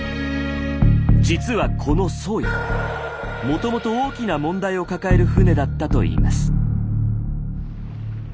実はこの「宗谷」もともと大きな問題を抱える船だったといいます。